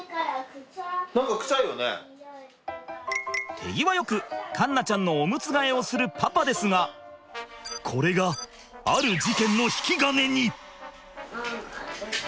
手際よく環奈ちゃんのオムツ替えをするパパですがこれがある事件の引き金に！